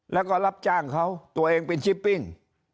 แล้วก็รับจ้างเขาตัวเองเป็นชิปปิ้ง